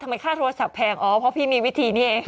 ค่าโทรศัพท์แพงอ๋อเพราะพี่มีวิธีนี้เอง